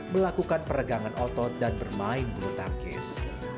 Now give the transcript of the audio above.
melakukan peregangan otot dan bermain bulu tangkis